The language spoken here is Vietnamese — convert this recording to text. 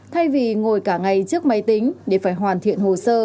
thay vì ngồi cả ngày trước máy tính để phải hoàn thiện hồ sơ